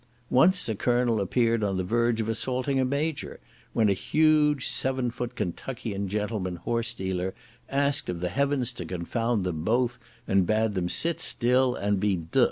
Once a colonel appeared on the verge of assaulting a major, when a huge seven foot Kentuckian gentleman horse dealer, asked of the heavens to confound them both, and bade them sit still and be d—d.